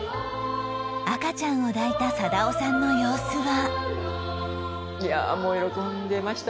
赤ちゃんを抱いた貞雄さんの様子は